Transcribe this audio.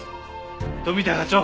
富田課長！